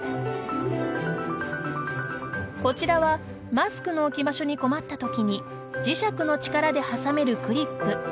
こちらは、マスクの置き場所に困った時に磁石の力で挟めるクリップ。